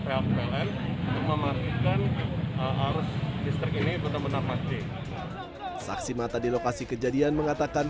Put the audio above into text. pihak pln untuk memastikan arus listrik ini benar benar mati saksi mata di lokasi kejadian mengatakan